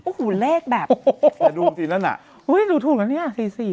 โอ้โหเลขแบบโอ้โหแต่ดูทีนั้นน่ะอุ้ยดูถูกแล้วเนี้ยสี่สี่